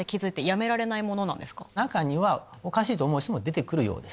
中にはおかしいと思う人も出て来るようです。